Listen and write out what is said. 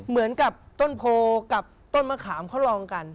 เหมือนกับต้นโพกับต้นมะขามเขาลองกัน